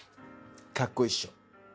かっこいいっしょ？